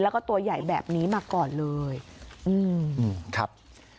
แล้วก็ตัวใหญ่แบบนี้มาก่อนเลยอืมครับ